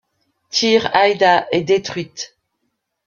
Tir Aedha est détruite.